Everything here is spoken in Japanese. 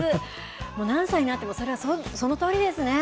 もう何歳になっても、それはそのとおりですね。